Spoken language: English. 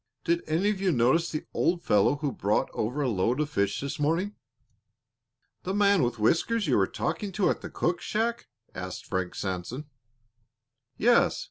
Did any of you notice the old fellow who brought over a load of fish this morning?" "The man with whiskers you were talking to at the cook shack?" asked Frank Sanson. "Yes.